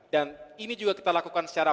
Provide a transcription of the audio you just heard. dan ini juga kita lakukan secara